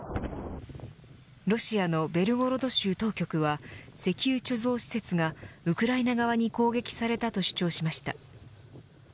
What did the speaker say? ロシアのベルゴロド州当局は石油貯蔵施設がウクライナ側に攻撃されたと主張しました。